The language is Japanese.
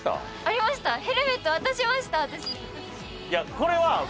いやこれは。